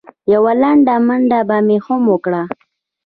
یوه لنډه منډه به مې هم وکړه.